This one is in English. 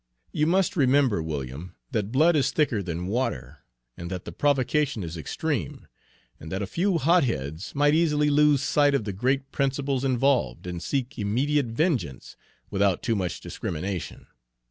You must remember, William, that blood is thicker than water, and that the provocation is extreme, and that a few hotheads might easily lose sight of the great principles involved and seek immediate vengeance, without too much discrimination.